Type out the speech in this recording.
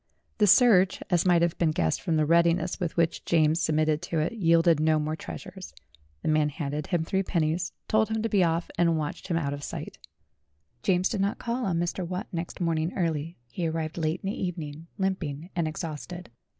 The search, as might have been guessed from the readiness with which James submitted to it, yielded no more treasures. The man handed him three pennies, told him to be off, and watched him out of sight. James did not call on Mr. Watt next morning early ; he arrived late in the evening, limping and exhausted.